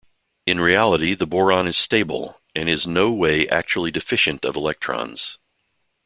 In reality the Boron is stable, and is no way actually deficient of electrons.